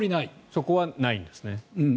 そこはないんですね。